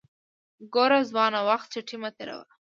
ګوره ځوانه وخت چټي مه تیروه